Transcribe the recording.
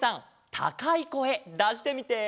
たかいこえだしてみて。